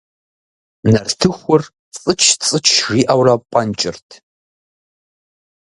Нартыхур цӏыч-цӏыч жиӏэурэ пӏэнкӏырт.